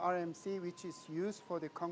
rmc yang digunakan